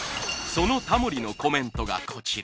そのタモリのコメントがこちら。